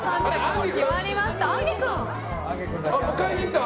迎えに行った。